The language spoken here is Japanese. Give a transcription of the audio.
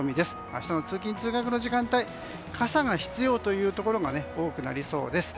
明日の通勤・通学の時間帯は傘が必要なところが多くなりそうです。